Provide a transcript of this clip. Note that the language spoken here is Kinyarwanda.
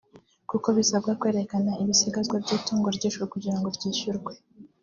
kuko bisabwa kwerekana ibisigazwa by’itungo ryishwe kugira ngo ryishyurwe